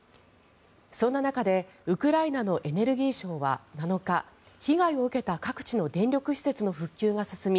そんな中でウクライナのエネルギー相は７日被害を受けた各地の電力施設の復旧が進み